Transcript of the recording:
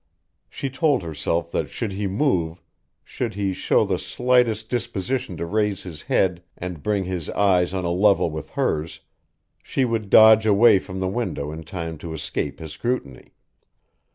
She told herself that should he move, should he show the slightest disposition to raise his head and bring his eyes on a level with hers, she would dodge away from the window in time to escape his scrutiny.